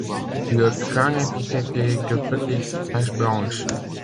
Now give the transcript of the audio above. Le crâne est piqueté de petites taches blanches.